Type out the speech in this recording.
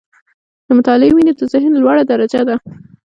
• د مطالعې مینه، د ذهن لوړه درجه ده.